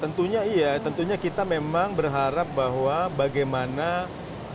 tentunya iya tentunya kita memang berharap bahwa bagaimana dari sisi usaha kita